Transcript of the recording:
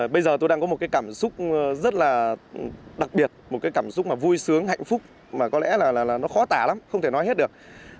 bây giờ tôi đang có một cảm xúc rất là đặc biệt một cảm xúc vui sướng hạnh phúc mà có lẽ nó khó tả lắm không thể nói hết được